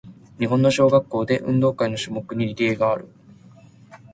日本の小学校で、運動会の種目にリレーがある。